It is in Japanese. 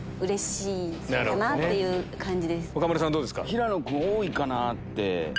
平野君多いかなって。